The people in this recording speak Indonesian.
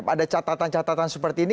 ada catatan catatan seperti ini